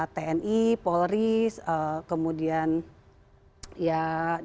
tni polris kemudian ya dari